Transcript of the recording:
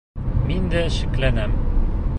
Мин дә шикләнәм!